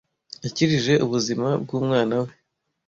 Yakijije ubuzima bw'umwana we